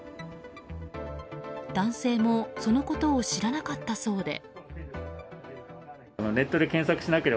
男性もそのことを知らなかったそうで。